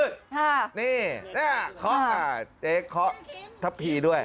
นี่เนี่ยเคาะค่ะเจ๊เคาะทัพพีด้วย